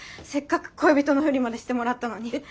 せっかく恋人のふりまでしてもらったのに。